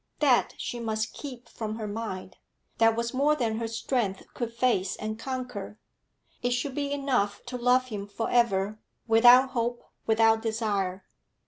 That she must keep from her mind; that was more than her strength could face and conquer. It should be enough to love him for ever, without hope, without desire.